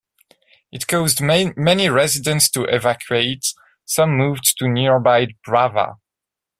It caused many residents to evacuate; some moved to nearby Brava.